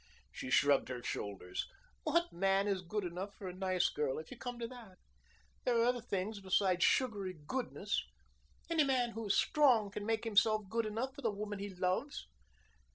She shrugged her shoulders. "What man is good enough for a nice girl if you come to that? There are other things beside sugary goodness. Any man who is strong can make himself good enough for the woman he loves."